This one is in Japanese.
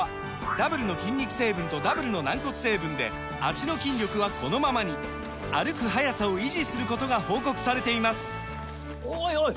ダブルの筋肉成分とダブルの軟骨成分で脚の筋力はこのままに歩く速さを維持することが報告されていますおいおい！